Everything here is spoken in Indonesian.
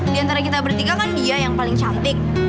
di antara kita bertiga kan dia yang paling cantik